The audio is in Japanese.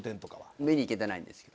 見に行けてないんです。